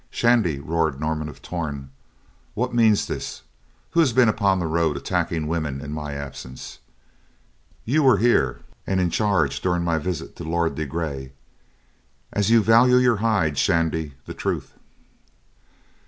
"Shandy!" roared Norman of Torn. "WHAT MEANS THIS? Who has been upon the road, attacking women, in my absence? You were here and in charge during my visit to my Lord de Grey. As you value your hide, Shandy, the truth!"